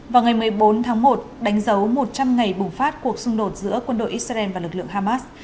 vào ngày một mươi bốn tháng một đánh dấu một trăm linh ngày bùng phát cuộc xung đột giữa quân đội israel và lực lượng hamas